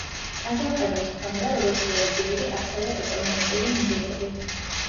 აჯანყებას ჰქონდა, როგორც რელიგიური, ასევე ეკონომიკური მიზეზები.